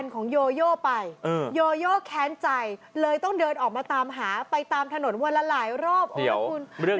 ไม่ได้ใครเป็นคนคอนเฟิร์มว่ามันความจริง